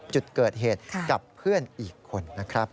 จุดเกิดเหตุกับเพื่อนอีกคนนะครับ